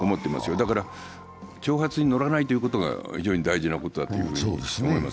だから、挑発に乗らないことが非常に大事なことだと思います。